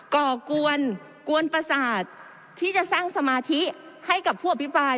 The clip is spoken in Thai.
ก่อกวนกวนประสาทที่จะสร้างสมาธิให้กับผู้อภิปราย